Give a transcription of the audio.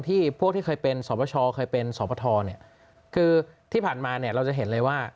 ที่ผู้ที่เคยเป็นสพชลเคยเป็นสพทคือที่ผ่านมาเราจะเห็นเลยว่า